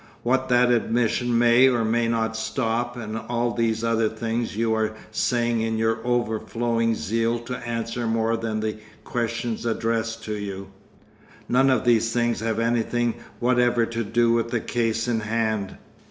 What that admission may or may not stop, and all these other things you are saying in your overflowing zeal to answer more than the questions addressed to you—none of these things have anything whatever to do with the case in hand.